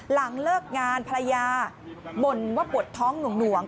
หลังเลิกงานภรรยาบ่นว่าปวดท้องหน่วง